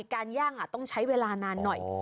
ย่างต้องใช้เวลานานหน่อย